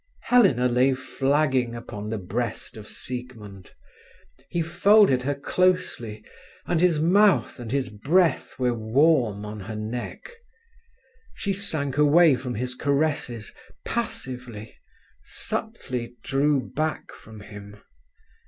Helena lay flagging upon the breast of Siegmund. He folded her closely, and his mouth and his breath were warm on her neck. She sank away from his caresses, passively, subtly drew back from him.